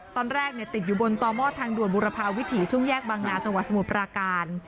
ตอนแรกติดอยู่บนต่อหม้อทางด่วนบุรพาวิถีช่วงแยกบางนาจังหวัดสมุทรปราการ